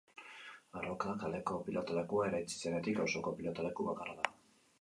Arroka kaleko pilotalekua eraitsi zenetik, auzoko pilotaleku bakarra da.